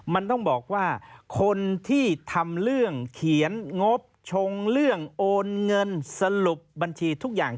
มันต้องบอกว่าคนที่ทำเรื่องเขียนงบชงเรื่องโอนเงินสรุปบัญชีทุกอย่าง